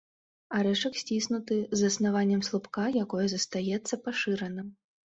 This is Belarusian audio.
Арэшак сціснуты, з аснаваннем слупка, якое застаецца пашыраным.